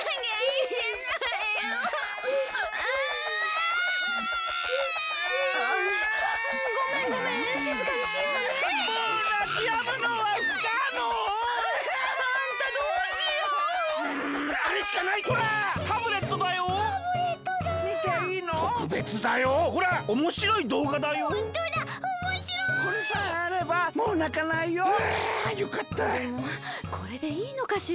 でもこれでいいのかしら。